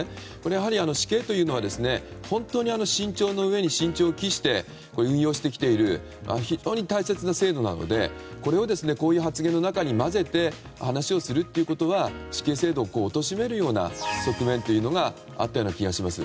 やはり死刑というのは本当に慎重に慎重を期して運用してきている非常に大切な制度なのでこれをこういう発言の中に混ぜて話をするということは死刑制度を貶めるような側面があったような気がします。